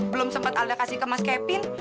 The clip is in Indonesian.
belum sempet alda kasih ke mas kevin